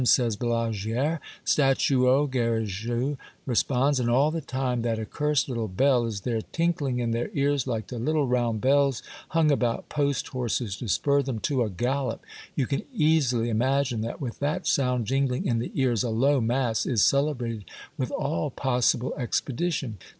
" says Balaguere. " Stutuo I " Garrigou responds : and all the time Yule Tide Stories, 265 that accursed little bell is there, tinkling in their ears like the little round bells hung about post horses to spur them to a gallop. You can easily imagine that with that sound jingling in the ears, a low mass is celebrated with all possible expedition.